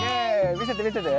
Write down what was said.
見せて見せて。